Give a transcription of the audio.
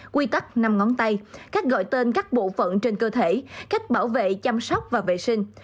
quy tắc năm ngón tay cách gọi tên các bộ phận trên cơ thể cách bảo vệ chăm sóc và vệ sinh